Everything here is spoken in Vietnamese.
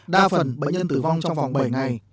đa phần bệnh nhân tử vong trong vòng bảy ngày